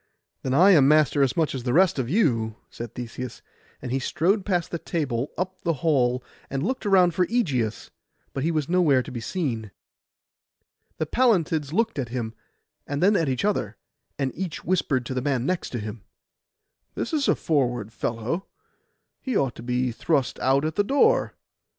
'Then I am master as much as the rest of you,' said Theseus, and he strode past the table up the hall, and looked around for Ægeus; but he was nowhere to be seen. The Pallantids looked at him, and then at each other, and each whispered to the man next him, 'This is a forward fellow; he ought to be thrust out at the door.